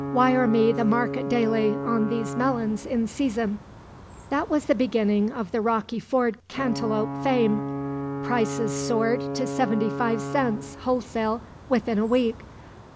Wire me the market daily on these melons in season." That was the beginning of the Rocky Ford cantaloupe fame. Prices soared to seventy five cents, wholesale, within a week.